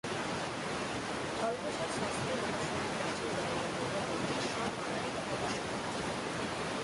হরপ্রসাদ শাস্ত্রী মহাশয়ের প্রাচীন বাংলার গৌরব বইটি সব বাঙালির অবশ্যপাঠ্য।